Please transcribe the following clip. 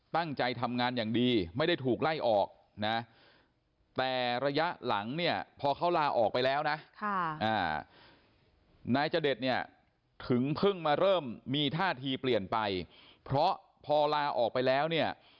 ตั้งใจทำงานอย่างดีไม่ได้ถูกไล่ออกนะแต่ระยะหลังเนี่ยพอเขาลาออกไปแล้วนะนายจเดชเนี่ยถึงเพิ่งมาเริ่มมีท่าทีเปลี่ยนไปเพราะพอลาออกไปแล้วเนี่ย